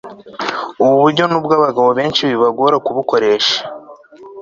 ubu buryo nubwo abagabo benshi bibagora kubukoresha